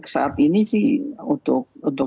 saat ini sih untuk